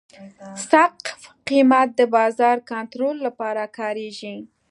سقف قیمت د بازار کنټرول لپاره کارېږي.